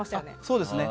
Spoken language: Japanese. そうですね。